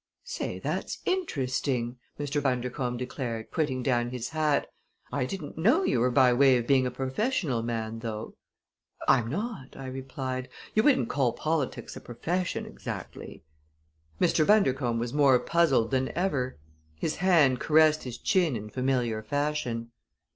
"Say, that's interesting!" Mr. Bundercombe declared, putting down his hat, "I didn't know you were by way of being a professional man, though." "I'm not," I replied. "You wouldn't call politics a profession exactly." Mr. Bundercombe was more puzzled than ever. His hand caressed his chin in familiar fashion.